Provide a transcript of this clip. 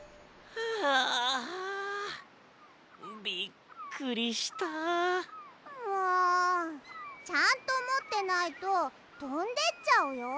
びっくりした。もちゃんともってないととんでっちゃうよ。